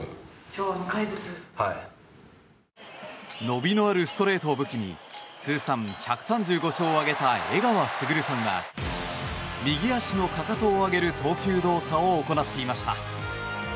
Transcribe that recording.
伸びのあるストレートを武器に通算１３５勝を挙げた江川卓さんが右足のかかとを上げる投球動作を行っていました。